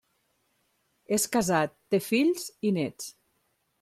És casat, té fills i néts.